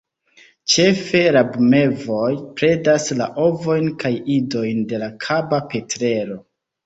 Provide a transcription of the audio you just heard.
Ĉefe rabmevoj predas la ovojn kaj idojn de la Kaba petrelo.